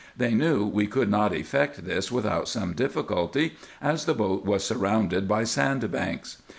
They knew we could not effect this without some difficulty, as the boat was surrounded by sand banks.